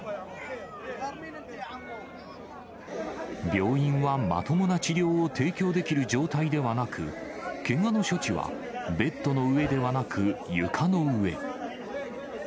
病院はまともな治療を提供できる状態ではなく、けがの処置はベッドの上ではなく、床の上。